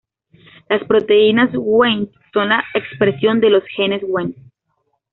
Las proteínas Wnt son la expresión de los genes Wnt.